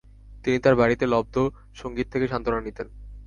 তিনি তার বাড়িতে লব্ধ সঙ্গীত থেকে সান্ত্বনা নিতেন।